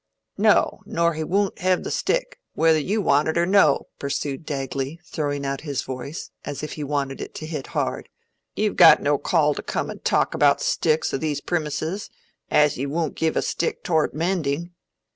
"No, nor he woon't hev the stick, whether you want it or no," pursued Dagley, throwing out his voice, as if he wanted it to hit hard. "You've got no call to come an' talk about sticks o' these primises, as you woon't give a stick tow'rt mending.